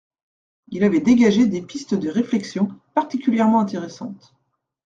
Il avait dégagé des pistes de réflexion particulièrement intéressantes.